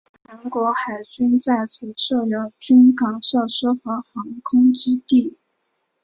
韩国海军在此设有军港设施和航空基地。